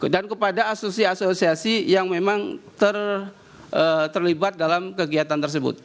dan kepada asosi asosiasi yang memang terlibat dalam kegiatan tersebut